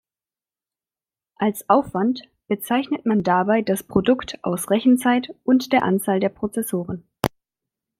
Als Aufwand bezeichnet man dabei das Produkt aus Rechenzeit und der Anzahl der Prozessoren.